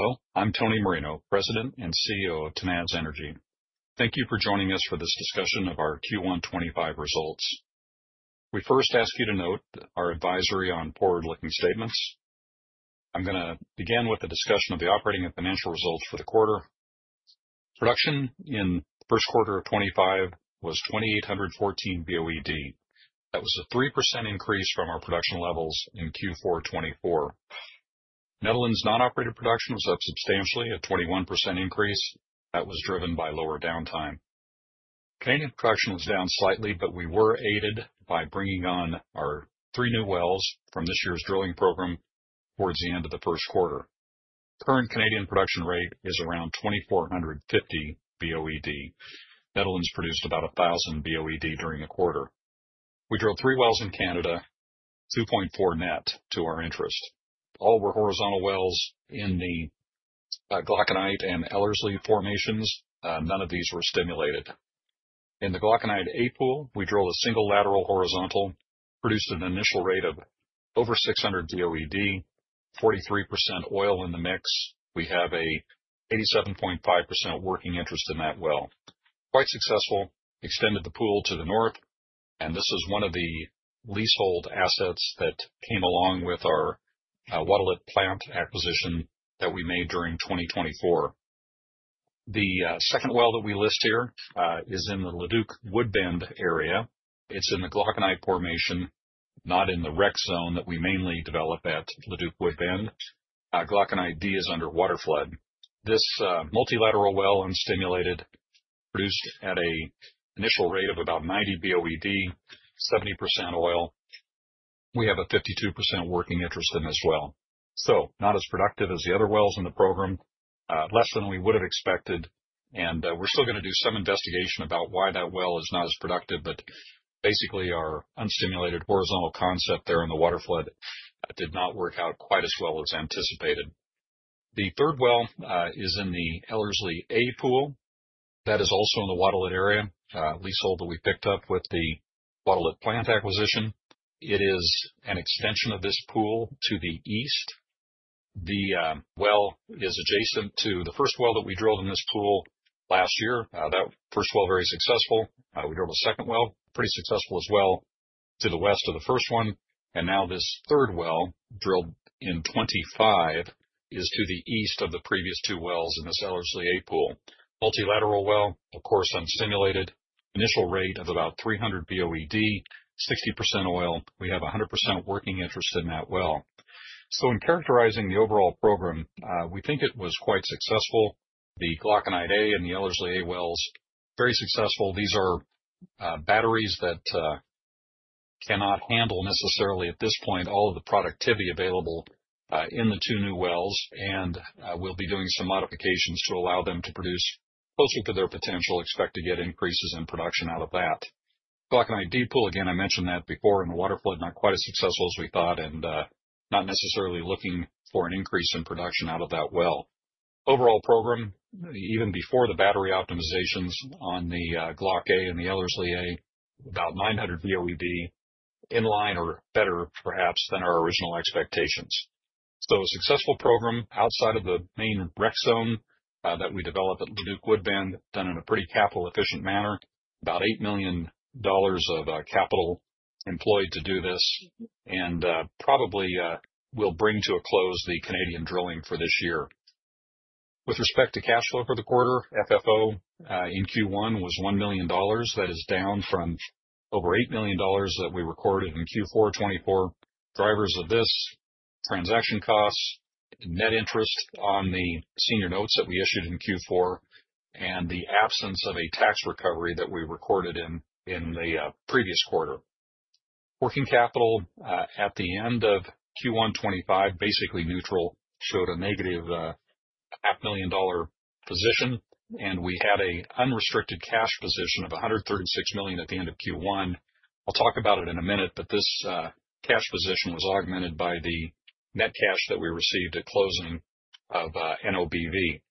Hello. I'm Tony Marino, President and CEO of Tenaz Energy. Thank you for joining us for this discussion of our Q1 2025 results. We first ask you to note our advisory on forward-looking statements. I'm going to begin with the discussion of the operating and financial results for the quarter. Production in the first quarter of 2025 was 2,814 BOE/d. That was a 3% increase from our production levels in Q4 2024. Netherlands non-operated production was up substantially, a 21% increase. That was driven by lower downtime. Canadian production was down slightly, but we were aided by bringing on our three new wells from this year's drilling program towards the end of the first quarter. Current Canadian production rate is around 2,450 BOE/d. Netherlands produced about 1,000 BOE/d during the quarter. We drilled three wells in Canada, 2.4 net to our interest. All were horizontal wells in the Glauconite and Ellerslie formations. None of these were stimulated. In the Glauconite-A pool, we drilled a single lateral horizontal, produced an initial rate of over 600 BOE/d, 43% oil in the mix. We have an 87.5% working interest in that well. Quite successful. Extended the pool to the north, and this is one of the leasehold assets that came along with our Wadalite plant acquisition that we made during 2024. The second well that we list here is in the Leduc-Woodbend area. It's in the Glauconite formation, not in the wreck zone that we mainly develop at Leduc-Woodbend. Glauconite-D is under water flood. This multilateral well unstimulated, produced at an initial rate of about 90 BOE/d, 70% oil. We have a 52% working interest in this well. Not as productive as the other wells in the program, less than we would have expected. We are still going to do some investigation about why that well is not as productive, but basically our unstimulated horizontal concept there in the water flood did not work out quite as well as anticipated. The third well is in the Ellerslie-A pool. That is also in the Wadallette area, leasehold that we picked up with the Wadallette plant acquisition. It is an extension of this pool to the east. The well is adjacent to the first well that we drilled in this pool last year. That first well was very successful. We drilled a second well, pretty successful as well, to the west of the first one. Now this third well drilled in 2025 is to the east of the previous two wells in this Ellerslie-A pool. Multilateral well, of course, unstimulated, initial rate of about 300 BOE/d, 60% oil. We have 100% working interest in that well. In characterizing the overall program, we think it was quite successful. The Glauconite-A and the Ellerslie-A wells, very successful. These are batteries that cannot handle necessarily at this point all of the productivity available in the two new wells, and we will be doing some modifications to allow them to produce closer to their potential, expect to get increases in production out of that. Glauconite-D pool, again, I mentioned that before in the water flood, not quite as successful as we thought, and not necessarily looking for an increase in production out of that well. Overall program, even before the battery optimizations on the Glauconite-A and the Ellerslie-A, about 900 BOE/d in line or better, perhaps, than our original expectations. A successful program outside of the main wreck zone that we developed at Leduc-Woodbend, done in a pretty capital-efficient manner, about 8 million dollars of capital employed to do this, and probably will bring to a close the Canadian drilling for this year. With respect to cash flow for the quarter, FFO in Q1 was 1 million dollars. That is down from over 8 million dollars that we recorded in Q4 2024. Drivers of this: transaction costs, net interest on the senior notes that we issued in Q4, and the absence of a tax recovery that we recorded in the previous quarter. Working capital at the end of Q1 2025, basically neutral, showed a negative 500,000 dollar position, and we had an unrestricted cash position of 136 million at the end of Q1. I'll talk about it in a minute, but this cash position was augmented by the net cash that we received at closing of NOBV.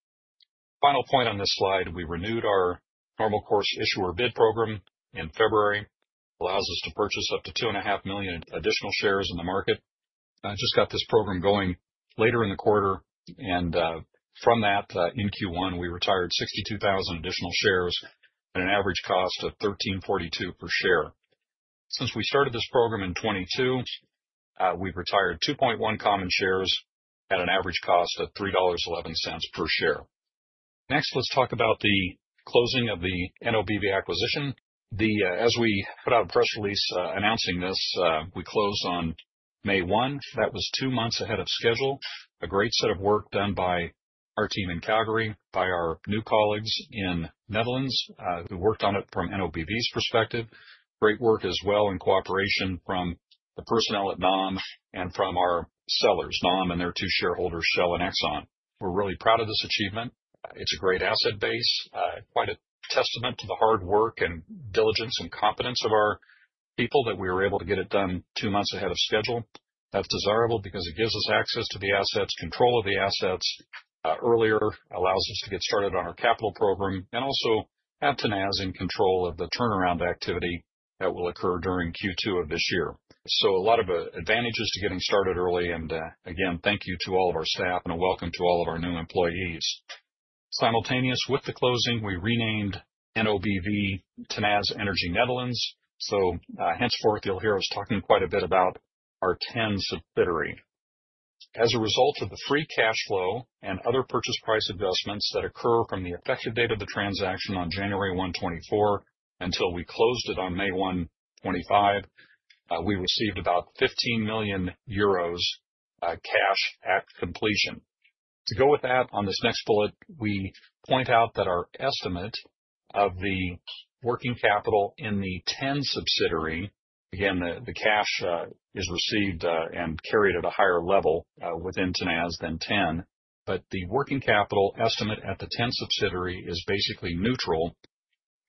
Final point on this slide, we renewed our normal course issuer bid program in February. It allows us to purchase up to 2.5 million in additional shares in the market. I just got this program going later in the quarter, and from that, in Q1, we retired 62,000 additional shares at an average cost of 13.42 per share. Since we started this program in 2022, we've retired 2.1 million common shares at an average cost of 3.11 dollars per share. Next, let's talk about the closing of the NOBV acquisition. As we put out a press release announcing this, we closed on May 1. That was two months ahead of schedule. A great set of work done by our team in Calgary, by our new colleagues in Netherlands, who worked on it from NOBV's perspective. Great work as well in cooperation from the personnel at NOM and from our sellers, NOM and their two shareholders, Shell and Exxon. We're really proud of this achievement. It's a great asset base, quite a testament to the hard work and diligence and competence of our people that we were able to get it done two months ahead of schedule. That's desirable because it gives us access to the assets, control of the assets earlier, allows us to get started on our capital program, and also have Tenaz in control of the turnaround activity that will occur during Q2 of this year. A lot of advantages to getting started early, and again, thank you to all of our staff and a welcome to all of our new employees. Simultaneous with the closing, we renamed NOBV Tenaz Energy Netherlands. Henceforth, you'll hear us talking quite a bit about our TEN subsidiary. As a result of the free cash flow and other purchase price adjustments that occur from the effective date of the transaction on January 1, 2024 until we closed it on May 1, 2025, we received about 15 million euros cash at completion. To go with that, on this next bullet, we point out that our estimate of the working capital in the TEN subsidiary, again, the cash is received and carried at a higher level within Tenaz than TEN, but the working capital estimate at the TEN subsidiary is basically neutral,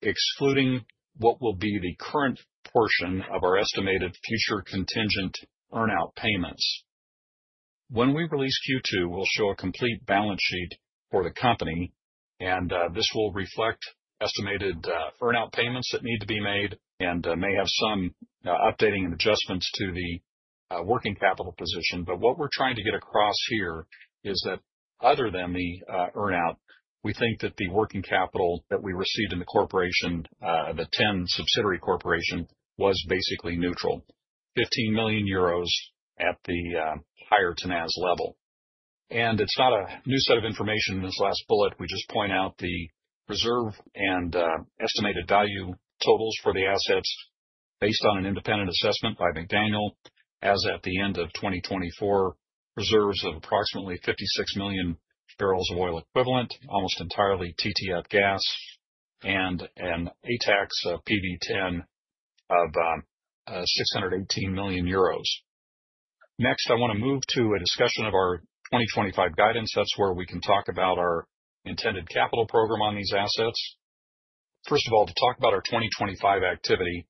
excluding what will be the current portion of our estimated future contingent earnout payments. When we release Q2, we'll show a complete balance sheet for the company, and this will reflect estimated earnout payments that need to be made and may have some updating and adjustments to the working capital position. What we're trying to get across here is that other than the earnout, we think that the working capital that we received in the corporation, the TEN subsidiary corporation, was basically neutral, 15 million euros at the higher Tenaz level. It is not a new set of information in this last bullet. We just point out the reserve and estimated value totals for the assets based on an independent assessment by McDaniel, as at the end of 2024, reserves of approximately 56 million barrels of oil equivalent, almost entirely TTF gas, and an after-tax PB10 of 618 million euros. Next, I want to move to a discussion of our 2025 guidance. That is where we can talk about our intended capital program on these assets. First of all, to talk about our 2025 activity,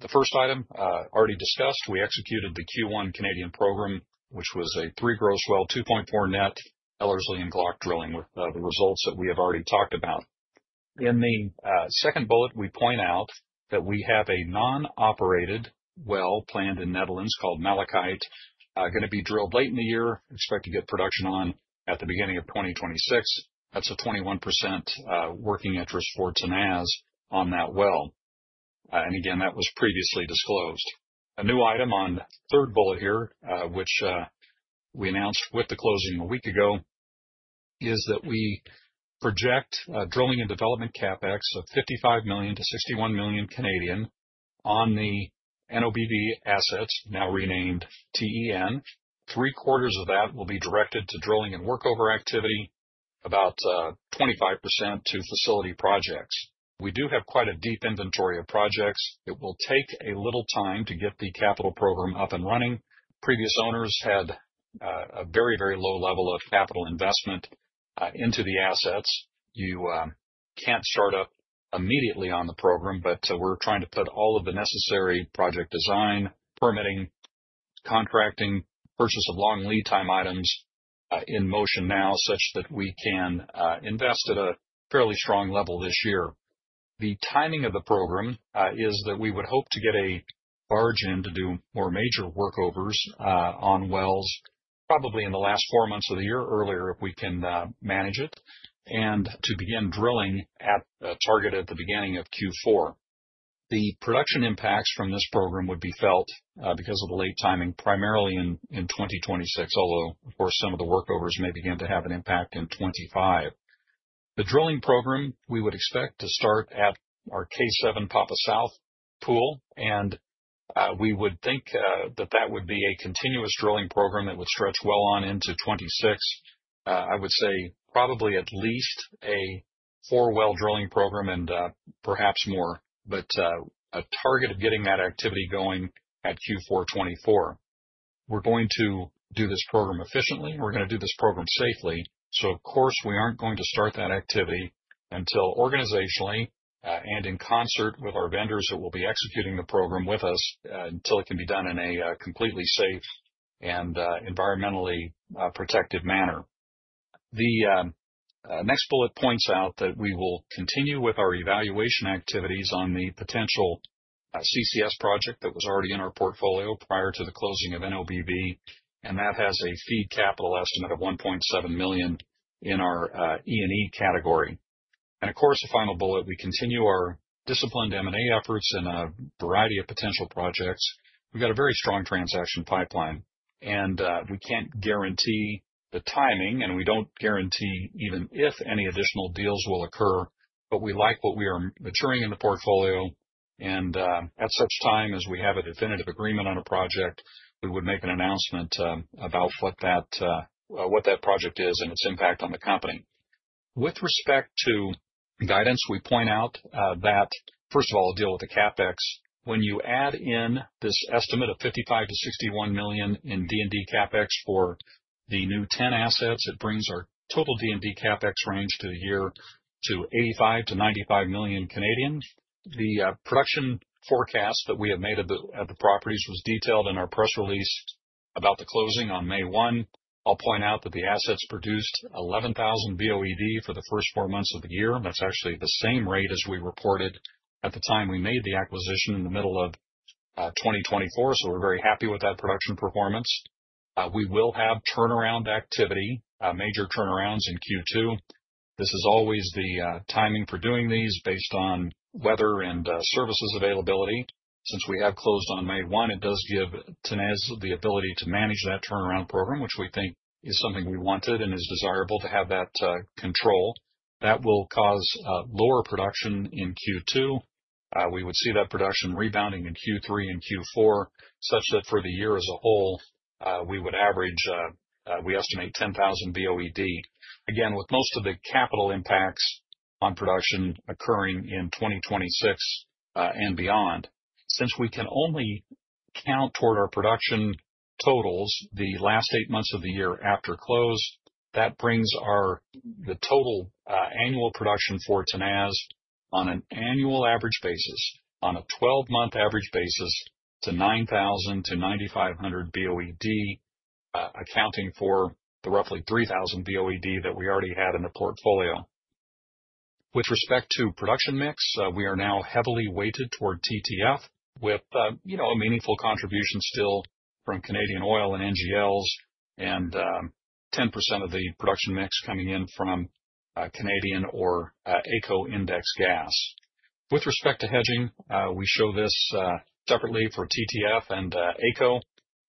the first item already discussed, we executed the Q1 Canadian program, which was a three-gross well, 2.4 net Ellerslie and Glauconite drilling with the results that we have already talked about. In the second bullet, we point out that we have a non-operated well planned in Netherlands called Malachite, going to be drilled late in the year, expect to get production on at the beginning of 2026. That's a 21% working interest for Tenaz on that well. Again, that was previously disclosed. A new item on the third bullet here, which we announced with the closing a week ago, is that we project drilling and development CapEx of 55 million-61 million on the NOBV assets, now renamed Tenaz Energy Netherlands. Three quarters of that will be directed to drilling and workover activity, about 25% to facility projects. We do have quite a deep inventory of projects. It will take a little time to get the capital program up and running. Previous owners had a very, very low level of capital investment into the assets. You can't start up immediately on the program, but we're trying to put all of the necessary project design, permitting, contracting, purchase of long lead time items in motion now such that we can invest at a fairly strong level this year. The timing of the program is that we would hope to get a barge in to do more major workovers on wells, probably in the last four months of the year or earlier if we can manage it, and to begin drilling at a target at the beginning of Q4. The production impacts from this program would be felt, because of the late timing, primarily in 2026, although, of course, some of the workovers may begin to have an impact in 2025. The drilling program, we would expect to start at our K7 Papa South pool, and we would think that that would be a continuous drilling program that would stretch well on into 2026. I would say probably at least a four-well drilling program and perhaps more, but a target of getting that activity going at Q4 2024. We're going to do this program efficiently, and we're going to do this program safely. Of course, we aren't going to start that activity until organizationally and in concert with our vendors that will be executing the program with us until it can be done in a completely safe and environmentally protected manner. The next bullet points out that we will continue with our evaluation activities on the potential CCS project that was already in our portfolio prior to the closing of NOBV, and that has a feed capital estimate of 1.7 million in our E&E category. Of course, the final bullet, we continue our disciplined M&A efforts in a variety of potential projects. We've got a very strong transaction pipeline, and we can't guarantee the timing, and we don't guarantee even if any additional deals will occur, but we like what we are maturing in the portfolio, and at such time as we have a definitive agreement on a project, we would make an announcement about what that project is and its impact on the company. With respect to guidance, we point out that, first of all, deal with the CapEx. When you add in this estimate of $55-$61 million in D&D CapEx for the new TEN assets, it brings our total D&D CapEx range to the year to 85 million-95 million. The production forecast that we have made of the properties was detailed in our press release about the closing on May 1. I'll point out that the assets produced 11,000 BOE/d for the first four months of the year, and that's actually the same rate as we reported at the time we made the acquisition in the middle of 2024, so we're very happy with that production performance. We will have turnaround activity, major turnarounds in Q2. This is always the timing for doing these based on weather and services availability. Since we have closed on May 1, it does give Tenaz the ability to manage that turnaround program, which we think is something we wanted and is desirable to have that control. That will cause lower production in Q2. We would see that production rebounding in Q3 and Q4 such that for the year as a whole, we would average, we estimate 10,000 BOE/d. Again, with most of the capital impacts on production occurring in 2026 and beyond, since we can only count toward our production totals the last eight months of the year after close, that brings our total annual production for Tenaz on an annual average basis, on a 12-month average basis to 9,000-9,500 BOE/d, accounting for the roughly 3,000 BOE/d that we already had in the portfolio. With respect to production mix, we are now heavily weighted toward TTF with a meaningful contribution still from Canadian oil and NGLs and 10% of the production mix coming in from Canadian or ACO index gas. With respect to hedging, we show this separately for TTF and ACO.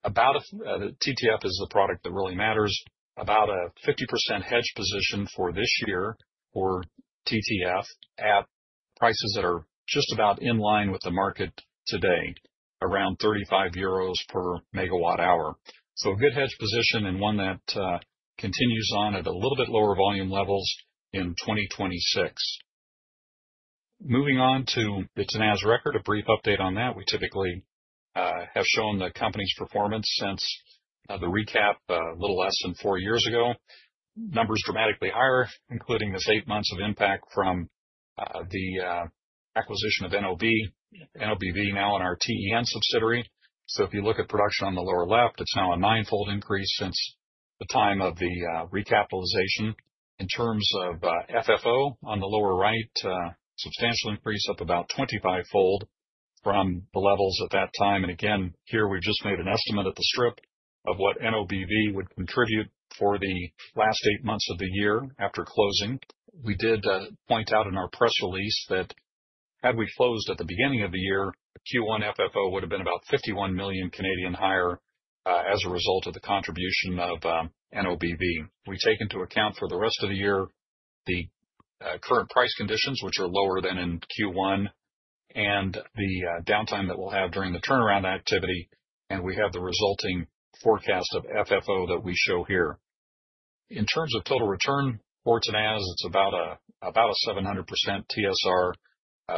TTF is the product that really matters, about a 50% hedge position for this year for TTF at prices that are just about in line with the market today, around 35 euros per megawatt hour. A good hedge position and one that continues on at a little bit lower volume levels in 2026. Moving on to the Tenaz record, a brief update on that. We typically have shown the company's performance since the recap a little less than four years ago. Numbers dramatically higher, including this eight months of impact from the acquisition of NOBV, now in our TEN subsidiary. If you look at production on the lower left, it's now a nine-fold increase since the time of the recapitalization. In terms of FFO on the lower right, substantial increase of about 25-fold from the levels at that time. Again, here we've just made an estimate at the strip of what NOBV would contribute for the last eight months of the year after closing. We did point out in our press release that had we closed at the beginning of the year, Q1 FFO would have been about 51 million higher as a result of the contribution of NOBV. We take into account for the rest of the year the current price conditions, which are lower than in Q1, and the downtime that we'll have during the turnaround activity, and we have the resulting forecast of FFO that we show here. In terms of total return for Tenaz, it's about a 700% TSR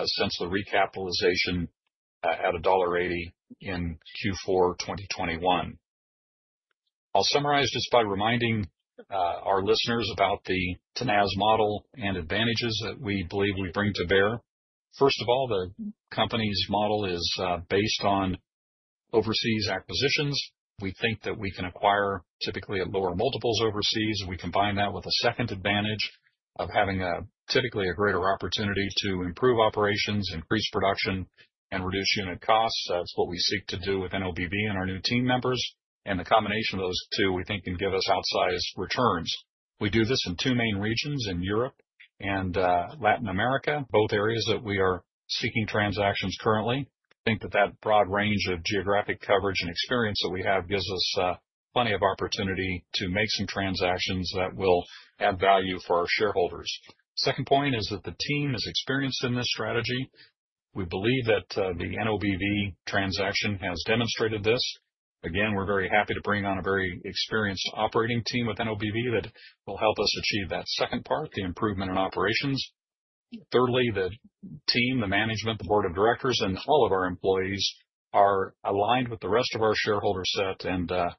since the recapitalization at $1.80 in Q4 2021. I'll summarize just by reminding our listeners about the Tenaz model and advantages that we believe we bring to bear. First of all, the company's model is based on overseas acquisitions. We think that we can acquire typically at lower multiples overseas. We combine that with a second advantage of having typically a greater opportunity to improve operations, increase production, and reduce unit costs. That's what we seek to do with NOBV and our new team members. The combination of those two, we think, can give us outsized returns. We do this in two main regions in Europe and Latin America, both areas that we are seeking transactions currently. I think that that broad range of geographic coverage and experience that we have gives us plenty of opportunity to make some transactions that will add value for our shareholders. Second point is that the team is experienced in this strategy. We believe that the NOBV transaction has demonstrated this. Again, we're very happy to bring on a very experienced operating team with NOBV that will help us achieve that second part, the improvement in operations. Thirdly, the team, the management, the board of directors, and all of our employees are aligned with the rest of our shareholder set and the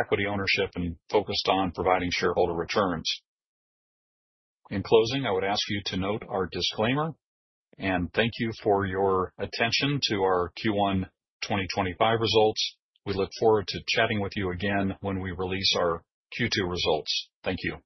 equity ownership and focused on providing shareholder returns. In closing, I would ask you to note our disclaimer and thank you for your attention to our Q1 2025 results. We look forward to chatting with you again when we release our Q2 results. Thank you.